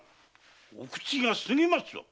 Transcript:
お口が過ぎますぞ！